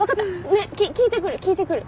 ねっ聞いてくる聞いてくる。